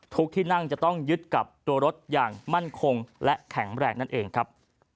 ที่นั่งจะต้องยึดกับตัวรถอย่างมั่นคงและแข็งแรงนั่นเองครับ